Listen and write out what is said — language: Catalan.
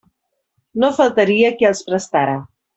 No faltaria qui els prestara.